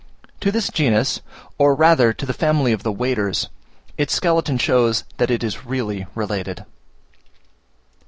To this genus, or rather to the family of the Waders, its skeleton shows that it is really related.